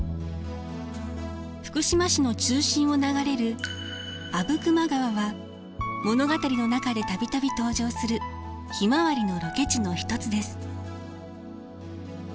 福島市の中心を流れる阿武隈川は物語の中で度々登場する「ひまわり」のロケ地の一つです。